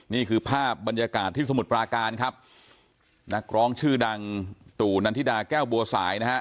นี่คือภาพบรรยากาศที่สมุทรปราการครับนักร้องชื่อดังตู่นันทิดาแก้วบัวสายนะฮะ